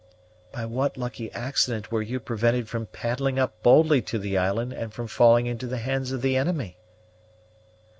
"By what lucky accident were you prevented from paddling up boldly to the island and from falling into the hands of the enemy?"